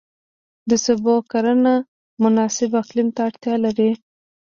د سبو کرنه مناسب اقلیم ته اړتیا لري.